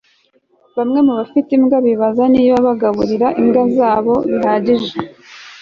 Bamwe mubafite imbwa bibaza niba bagaburira imbwa zabo bihagije